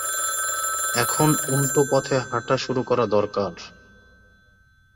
এখন উল্টো পথে হাঁটা শুরু করা দরকার।